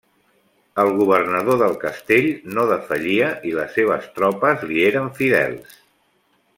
El governador del castell no defallia i les seves tropes li eren fidels.